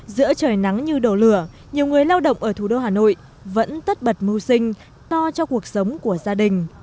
giữa trời nắng như đổ lửa nhiều người lao động ở thủ đô hà nội vẫn tất bật mưu sinh to cho cuộc sống của gia đình